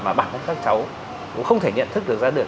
mà bản thân các cháu cũng không thể nhận thức được ra được